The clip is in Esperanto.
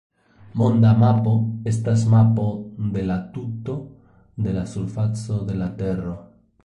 Monda mapo estas mapo de la tuto de la surfaco de la Tero.